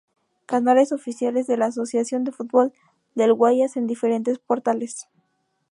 Canales oficiales de la Asociación de Fútbol del Guayas en diferentes portales